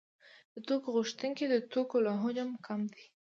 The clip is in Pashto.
د توکو غوښتونکي د توکو له حجم کم دي